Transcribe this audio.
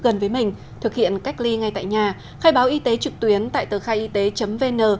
gần với mình thực hiện cách ly ngay tại nhà khai báo y tế trực tuyến tại tờ khai y tế vn